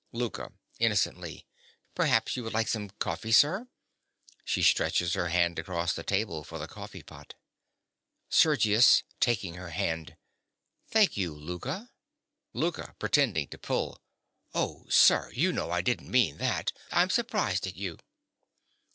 LOUKA. (innocently). Perhaps you would like some coffee, sir? (She stretches her hand across the table for the coffee pot.) SERGIUS. (taking her hand). Thank you, Louka. LOUKA. (pretending to pull). Oh, sir, you know I didn't mean that. I'm surprised at you!